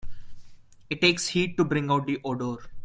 It takes heat to bring out the odor.